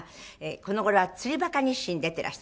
この頃は『釣りバカ日誌』に出ていらして。